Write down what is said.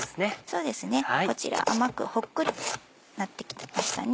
そうですねこちら甘くほっくりなってきましたね